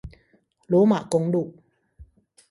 羅馬公路